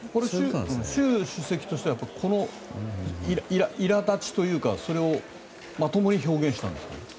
習主席としてはいら立ちというかそれをまともに表現した？